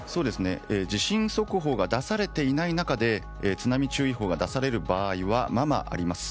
地震速報が出されていない中で津波注意報が出される場合はままあります。